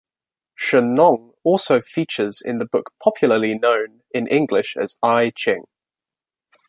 Shennong also features in the book popularly known in English as "I Ching".